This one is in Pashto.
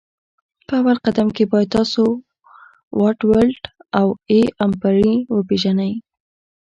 په اول قدم کي باید تاسو واټ ولټ او A امپري وپيژني